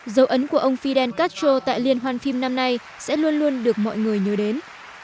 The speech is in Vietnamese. dấu ấn của ông fidel castro tại liên hoàn phim năm nay sẽ luôn luôn được mọi người nhớ đến